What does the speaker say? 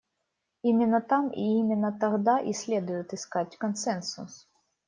Именно там и именно тогда и следует искать консенсус.